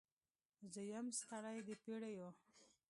زه یم ستړې د پیړیو